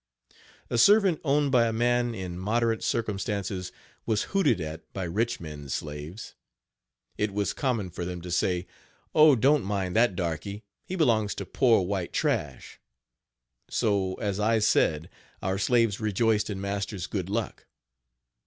A servant owned by a man in moderate circumstances was hooted at by rich men's slaves. It was common for them to say: "Oh! don't mind that darkey, he belongs to po'r white trash." So, as I said, our slaves rejoiced in master's good luck.